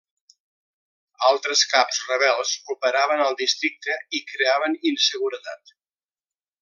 Altres caps rebels operaven al districte i creaven inseguretat.